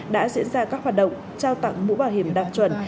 đã diễn ra các hoạt động trao tặng mũ bảo hiểm đạt chuẩn